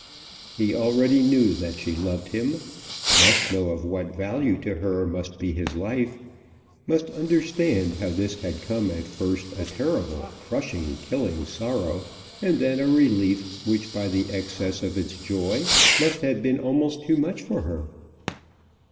He already knew that she loved him, must know of what value to her must be his life, must understand how this had come at first a terrible, crushing, killing sorrow, and then a relief which by the excess of its joy must have been almost too much for her.